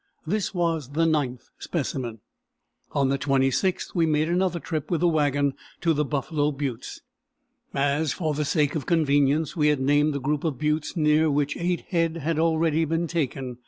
This was the ninth specimen. On the 26th we made an other trip with the wagon to the Buffalo Buttes, as, for the sake of convenience, we had named the group of buttes near which eight head had already been taken.